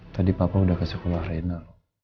tadi papa udah ke sekolah reinhard